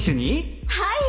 はい。